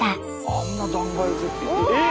あんな断崖絶壁え！